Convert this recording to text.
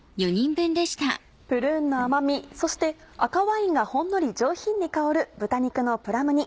プルーンの甘みそして赤ワインがほんのり上品に香る「豚肉のプラム煮」